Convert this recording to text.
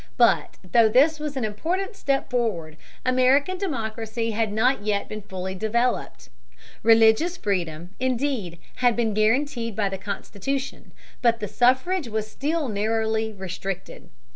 But though this was an important step forward, American democracy had not yet been fully developed. Religious freedom, indeed, had been guaranteed by the Constitution, but the suffrage was still narrowly restricted.